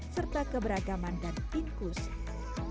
serta keberagaman dan inklusi